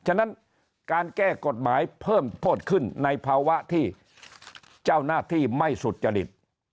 ฉะนั้นการแก้กฎหมายเพิ่มโทษขึ้นในภาวะที่เจ้าหน้าที่ไม่สุจริต